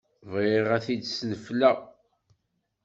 Bɣiɣ ad t-id-snefleɣ.